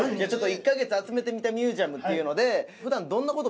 『１ヵ月集めてみたミュージアム』っていうので。